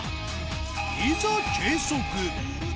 いざ計測！